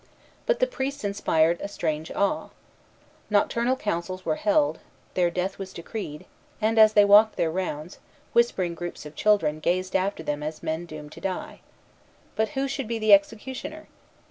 But the priests inspired a strange awe. Nocturnal councils were held; their death was decreed; and, as they walked their rounds, whispering groups of children gazed after them as men doomed to die. But who should be the executioner?